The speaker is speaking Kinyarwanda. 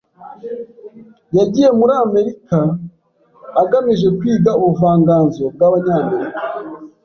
Yagiye muri Amerika agamije kwiga ubuvanganzo bwabanyamerika.